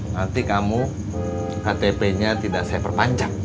nanti kamu ktp nya tidak saya perpanjang